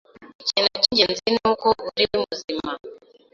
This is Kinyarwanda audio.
Ikintu cyingenzi nuko uri muzima.